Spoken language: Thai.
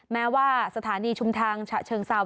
แม้ว่าสถานีชุมทางฉะเชิงเซา